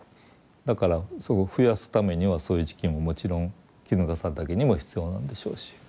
だからそこ増やすためにはそういう時期ももちろんキヌガサダケにも必要なんでしょうし。